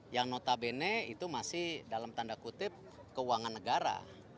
yang notabene itu masih dalam tanda kutip keuangan negara